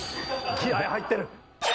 気合い入ってる。